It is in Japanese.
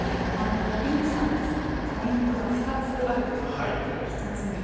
井口さんがポイントが２つあるということで１つ目が。